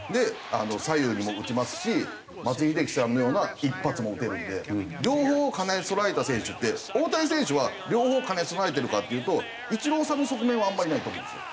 左右にも打ちますし松井秀喜さんのような一発も打てるので両方兼ね備えた選手って大谷選手は両方兼ね備えてるかっていうとイチローさんの側面はあんまりないと思うんですよ。